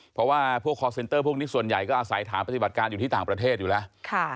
เพราะว่าพวกคอร์เซนเตอร์พวกนี้ส่วนใหญ่ก็อาศัยฐานปฏิบัติการอยู่ที่ต่างประเทศอยู่แล้ว